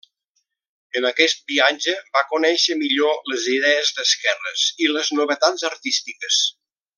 En aquest viatge va conèixer millor les idees d'esquerres i les novetats artístiques.